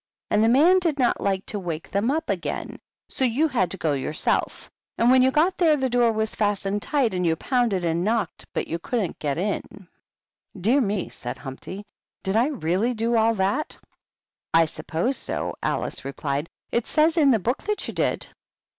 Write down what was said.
And the man did not like to wake them up again ; so you had to go yourself. And when you got there, the door was fastened tight, and you pounded and knocked, but you couldn't get in." HUMPTY DUMPTY. 95 " Dear me !" said Humpty. " Did I really do all that?" " I suppose so," Alice replied. " It says in the book that you did."